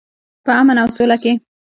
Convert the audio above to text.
په امن او سوله کې.